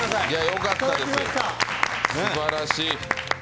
よかったです、すばらしい。